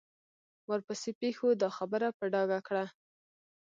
ورپسې پېښو دا خبره په ډاګه کړه.